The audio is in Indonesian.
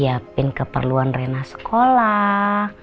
siapin keperluan rena sekolah